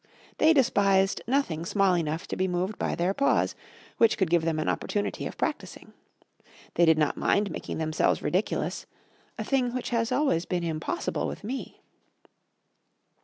They despised nothing small enough to be moved by their paws, which could give them an opportunity of practising. They did not mind making themselves ridiculous a thing which has been always impossible with me.